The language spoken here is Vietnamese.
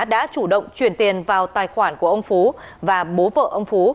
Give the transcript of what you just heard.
đã chủ động chuyển tiền vào tài khoản của ông phú và bố vợ ông phú